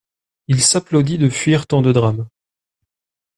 Il s'applaudit de fuir tant de drames.